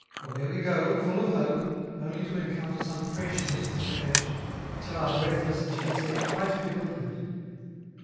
Away we go, full of hope, only to encounter some fresh mystification, till our breathless djins get quite bewildered.